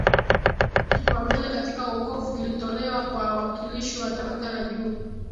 kipaumbele katika wokovu kilitolewa kwa wawakilishi wa tabaka la juu